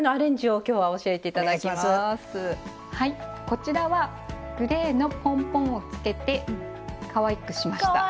こちらはグレーのポンポンを付けてかわいくしました。